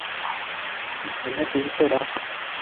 Ишмөхәмәт ултыра.